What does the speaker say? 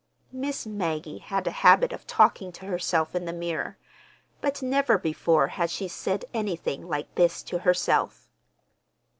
_" Miss Maggie had a habit of talking to herself in the mirror—but never before had she said anything like this to herself.